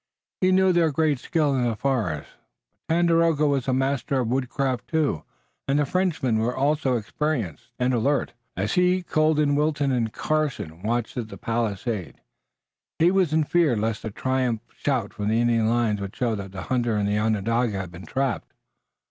He knew their great skill in the forest, but Tandakora was a master of woodcraft too, and the Frenchmen also were experienced and alert. As he, Colden, Wilton and Carson watched at the palisade he was in fear lest a triumphant shout from the Indian lines would show that the hunter and the Onondaga had been trapped.